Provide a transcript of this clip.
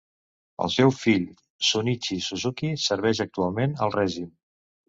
El seu fill Shun'ichi Suzuki serveix actualment al règim.